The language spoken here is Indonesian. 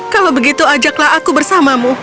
kalau begitu ajaklah aku bersamamu